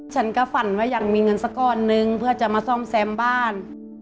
ฉันก็ฝันว่ายังมีเงินสักก้อนนึงเพื่อจะมาซ่อมแซมบ้าน